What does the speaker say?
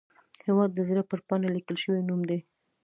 هیواد د زړه پر پاڼه لیکل شوی نوم دی